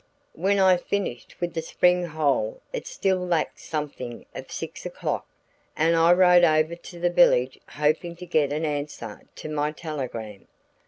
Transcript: "When I finished with the spring hole it still lacked something of six o'clock and I rode over to the village hoping to get an answer to my telegram.